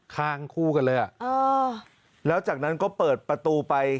ข้างคู่กันเลยอ่ะเออแล้วจากนั้นก็เปิดประตูไป